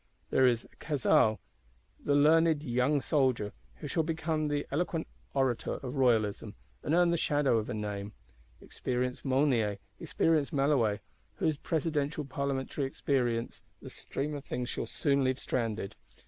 There is Cazalès, the learned young soldier; who shall become the eloquent orator of Royalism, and earn the shadow of a name. Experienced Mounier, experienced Malouet; whose Presidential Parlementary experience the stream of things shall soon leave stranded.